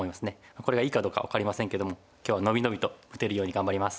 これがいいかどうか分かりませんけども今日は伸び伸びと打てるように頑張ります。